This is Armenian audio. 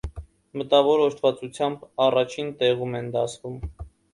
Մտավոր օժտվածությամբ առաջին տեղում են դասվում։